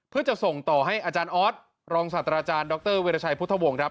เพื่อจะส่งต่อให้ออรองศัตราอาจารย์ดรเวรชัยพุทธวงศ์ครับ